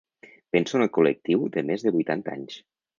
Penso en el col·lectiu de més de vuitanta anys.